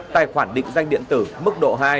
tài khoản định danh điện tử mức độ hai